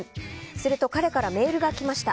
すると、彼からメールが来ました。